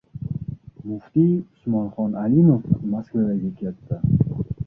Muftiy Usmonxon Alimov Moskvaga ketdi